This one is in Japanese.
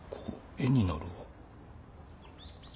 絵になるわ。